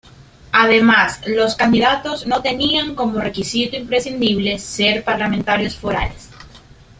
Además, los candidatos no tenían como requisito imprescindible ser parlamentarios forales.